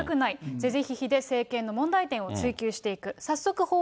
是々非々で政権の問題点を追及していく。